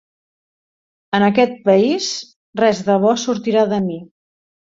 En aquest país res de bo sortirà de mi.